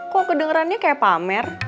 kok kedengerannya kayak pamer